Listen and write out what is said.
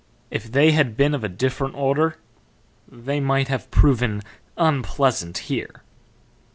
If they had been of a different order they might have proven unpleasant here."